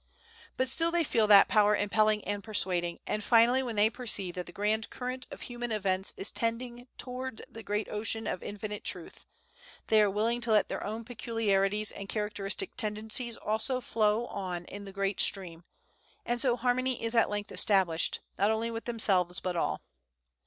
But still they feel that power impelling and persuading, and finally when they perceive that the grand current of human events is tending towards the great ocean of Infinite Truth, they are willing to let their own peculiarities and characteristic tendencies also flow on in the great stream, and so harmony is at length established, not only with themselves but all.